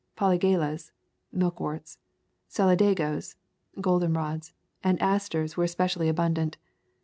Polygalas [milkworts], solida goes [goldenrods], and asters were especially abundant.